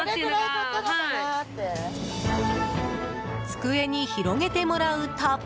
机に広げてもらうと。